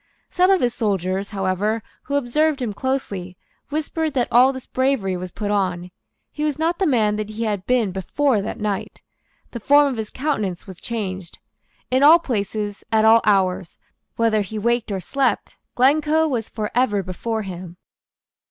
Some of his soldiers, however, who observed him closely, whispered that all this bravery was put on. He was not the man that he had been before that night. The form of his countenance was changed. In all places, at all hours, whether he waked or slept, Glencoe was for ever before him.